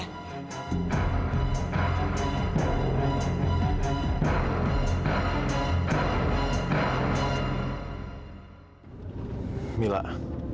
hal itu tuh aku